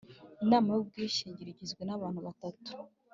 Inama y ubwishingire igizwe n abantu batatu